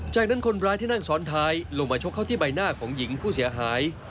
จากนั้นคนร้ายที่นั่งซ้อนท้ายลงมาชกเข้าที่ใบหน้าของหญิงผู้เสียหาย